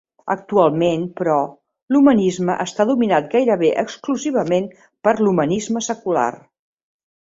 Actualment, però, l'humanisme està dominat gairebé exclusivament per l'humanisme secular.